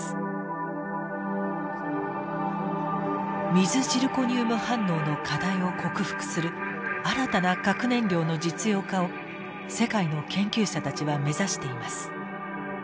水ジルコニウム反応の課題を克服する新たな核燃料の実用化を世界の研究者たちは目指しています。